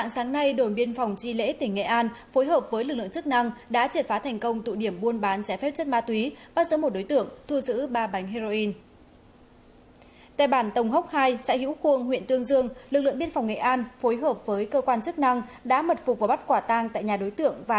các bạn hãy đăng ký kênh để ủng hộ kênh của chúng mình nhé